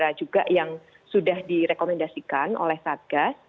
ya kerja sama dengan penyelenggara juga yang sudah direkomendasikan oleh satgas